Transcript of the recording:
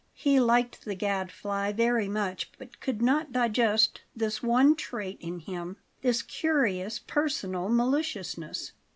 He liked the Gadfly very much, but could not digest this one trait in him this curious personal maliciousness.